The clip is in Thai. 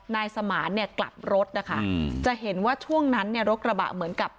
นายสมานเนี่ยกลับรถนะคะจะเห็นว่าช่วงนั้นเนี่ยรถกระบะเหมือนกับ